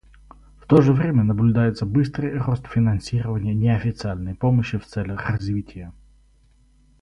В то же время наблюдается быстрый рост финансирования неофициальной помощи в целях развития.